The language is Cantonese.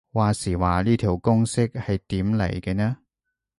話時話呢條公式係點嚟嘅呢